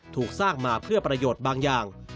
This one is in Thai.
ถูกสร้างมาเพื่อประโยชน์บางอย่าง